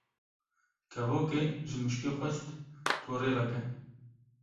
Kevokê ji mişkê xwest torê veke.